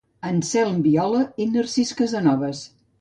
Anselm Viola i Narcís Casanoves.